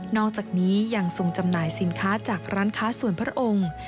อกจากนี้ยังทรงจำหน่ายสินค้าจากร้านค้าส่วนพระองค์